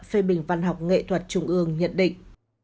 phê bình văn học nghệ thuật trung ương nhận định